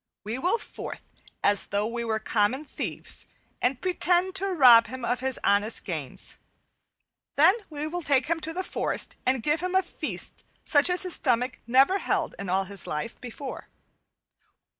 We will forth as though we were common thieves and pretend to rob him of his honest gains. Then will we take him into the forest and give him a feast such as his stomach never held in all his life before.